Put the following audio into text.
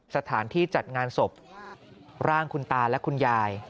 สถานที่จัดงานศพร่างคุณตาและคุณยาย